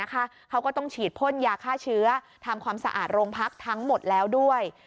เขาก็ต้องฉีดพ่นยาฆ่าเชื้อทำความสะอาดโรงพักทั้งหมดแล้วด้วย